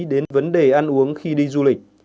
đến vấn đề ăn uống khi đi du lịch